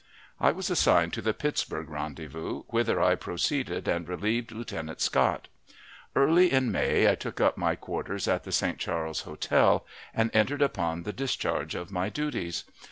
I was assigned to the Pittsburg rendezvous, whither I proceeded and relieved Lieutenant Scott. Early in May I took up my quarters at the St. Charles Hotel, and entered upon the discharge of my duties.